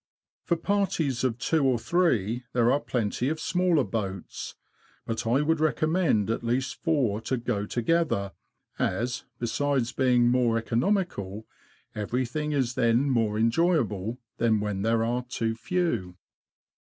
For parties of two or three there are plenty of smaller boats; but I would recommend at least four to go together, as, besides being more economical, everything is then more enjoyable than when there are too few.